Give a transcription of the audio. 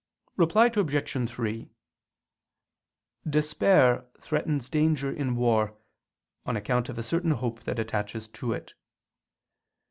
Reply Obj. 3: Despair threatens danger in war, on account of a certain hope that attaches to it.